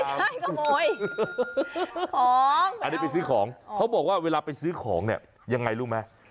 ใช่ขโมยของอันนี้ไปซื้อของเขาบอกว่าเวลาไปซื้อของเนี่ยยังไงรู้ไหม